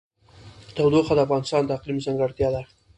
تودوخه د افغانستان د اقلیم ځانګړتیا ده.